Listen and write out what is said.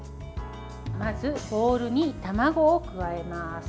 まず、ボウルに卵を加えます。